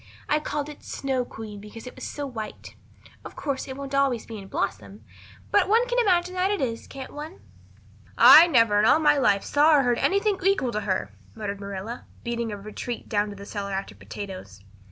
I called it Snow Queen because it was so white. Of course, it won't always be in blossom, but one can imagine that it is, can't one?" "I never in all my life saw or heard anything to equal her," muttered Marilla, beating a retreat down to the cellar after potatoes.